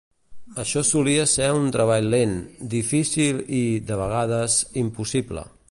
Això solia ser un treball lent, difícil i, de vegades, impossible.